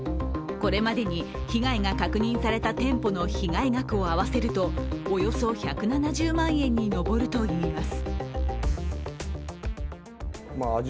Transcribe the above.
これまでに、被害が確認された店舗の被害額を合わせるとおよそ１７０万円に上るといいます。